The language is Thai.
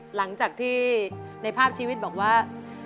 หลังจากที่ในภาพชีวิตบอกว่า